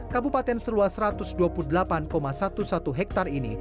kabupaten seluas satu ratus dua puluh delapan sebelas hektare ini